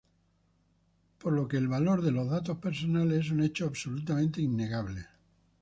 Por lo que el valor de los datos personales es un hecho absolutamente innegable.